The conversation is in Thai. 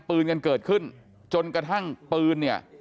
ปืนกันเกิดขึ้นจนกระทั่งปืนเนี่ย